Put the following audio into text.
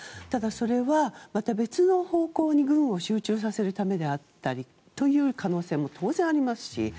ただ、それはまた別の方向に軍を集中させるためであったりという可能性も当然、ありますし。